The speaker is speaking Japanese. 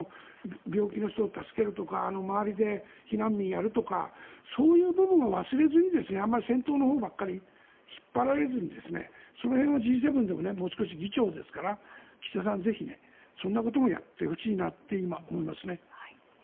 病気の人を助けるとか周りで避難民をやるとかそういう部分は忘れずにあまり戦闘のほうばかり引っ張られずにその辺はＧ７でももう少し議長ですから岸田さんはぜひそんなこともやってほしいなと今、思いますね。